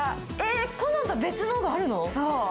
コナンと別のがあるの？